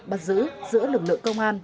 bắt giữ giữa lực lượng công an